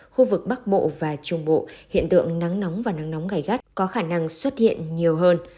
khu vực bắc bộ và trung bộ hiện tượng nắng nóng và nắng nóng gai gắt có khả năng xuất hiện nhiều hơn